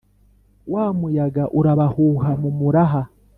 wa muyaga urabahuha mu muraha.